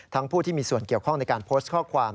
ผู้ที่มีส่วนเกี่ยวข้องในการโพสต์ข้อความ